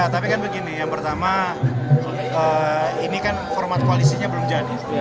tapi kan begini yang pertama ini kan format koalisinya belum jadi